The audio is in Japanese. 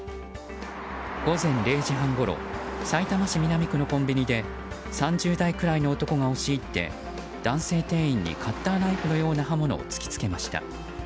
午前０時半ごろさいたま市南区のコンビニで３０代くらいの男が押し入って男性店員にカッターナイフのような刃物を突き付けました。